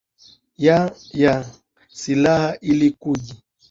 ya ya silaha ili kuji